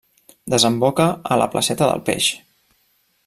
Desemboca a la placeta del Peix.